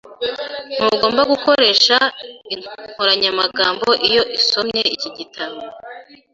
Ntugomba gukoresha inkoranyamagambo iyo usomye iki gitabo.